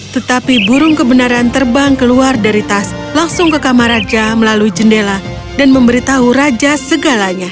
tetapi burung kebenaran terbang keluar dari tas langsung ke kamar raja melalui jendela dan memberitahu raja segalanya